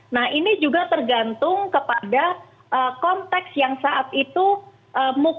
nah ini juga tergantung kepada konteks yang saat itu muncul